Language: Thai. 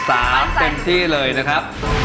อ่ามา๓เต็มที่เลยนะครับ